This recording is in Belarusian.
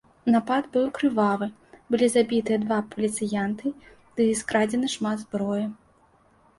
Напад быў крывавы, былі забітыя два паліцыянты ды скрадзена шмат зброі.